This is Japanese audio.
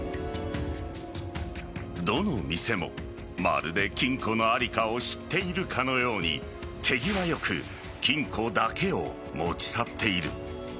どの店も、まるで金庫の在りかを知っているかのように手際よく金庫だけを持ち去っている。